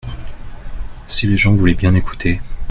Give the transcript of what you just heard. si les gens voulaient bien écouter.